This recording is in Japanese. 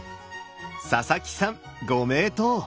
佐々木さんご名答！